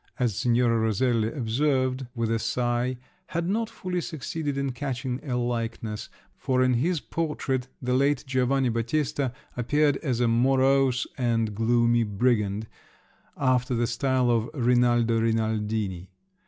as Signora Roselli observed with a sigh, had not fully succeeded in catching a likeness, for in his portrait the late Giovanni Battista appeared as a morose and gloomy brigand, after the style of Rinaldo Rinaldini!